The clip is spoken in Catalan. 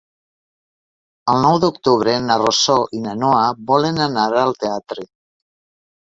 El nou d'octubre na Rosó i na Noa volen anar al teatre.